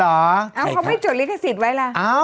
เอาเขาให้จดลิขสิทธิ์ไว้ล่ะ